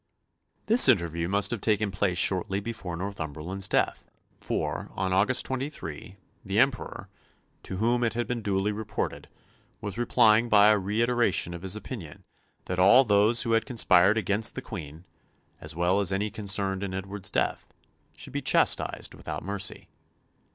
This interview must have taken place shortly before Northumberland's death; for on August 23 the Emperor, to whom it had been duly reported, was replying by a reiteration of his opinion that all those who had conspired against the Queen, as well as any concerned in Edward's death, should be chastised without mercy.